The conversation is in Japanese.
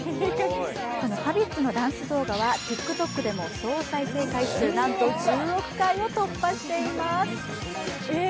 この「Ｈａｂｉｔ」のダンス動画はＴｉｋＴｏｋでも総再生回数、なんと１０億回を突破しています。